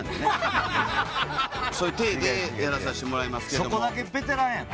そういう体でやらさしてもらいますけども。